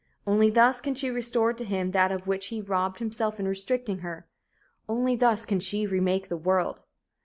Only thus can she restore to him that of which he robbed himself in restricting her. Only thus can she remake the world.